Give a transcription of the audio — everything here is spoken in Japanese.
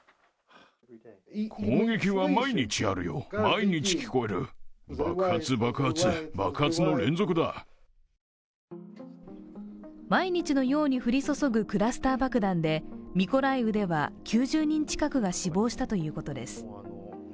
毎日のように降り注ぐクラスター爆弾でミコライウでは９０人近くが死亡したということです。